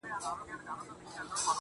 زه چـي په باندي دعوه وكړم.